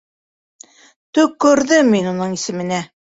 Төк-көрҙөм мин уның исеменә.